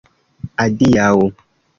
adiaŭ